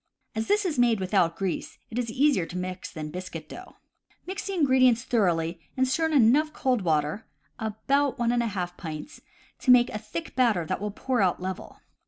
As this is made without grease, it is easier to mix than biscuit dough. Mix the ingredients thoroughly and stir in enough cold water (about one and a half pints) to make a thick batter that will pour out level.